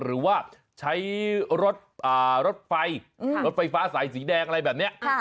หรือว่าใช้รถไฟรถไฟฟ้าสายสีแดงอะไรแบบนี้